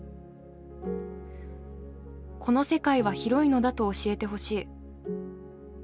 この世界は広いのだと教えてほしい。